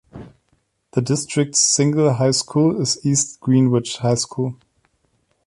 The district's single high school is East Greenwich High School.